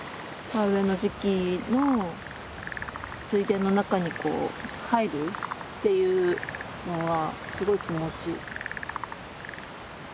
田植えの時期の水田の中に入るっていうのはすごい気持ちいい。